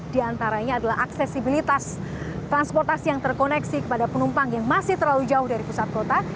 di antaranya adalah aksesibilitas transportasi yang terkoneksi kepada penumpang yang masih terlalu jauh dari pusat kota